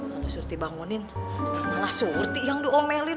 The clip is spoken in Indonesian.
kalau surti bangunin karena surti yang diomelin